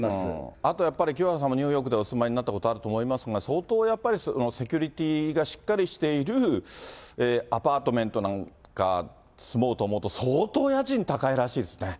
あとやっぱり、清原さんもニューヨークでお住まいになったことがあると思いますが、相当やっぱり、セキュリティーがしっかりしているアパートメントなんか住もうと思うと、相当家賃高いらしいですね。